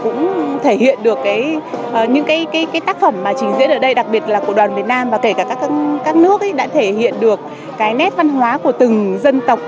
cũng thể hiện được những cái tác phẩm mà trình diễn ở đây đặc biệt là của đoàn việt nam và kể cả các nước đã thể hiện được cái nét văn hóa của từng dân tộc